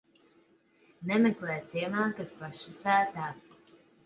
Nemeklē ciemā, kas paša sētā.